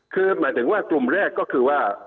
คือหมายถึงว่ากลุ่มแรกก็คือว่า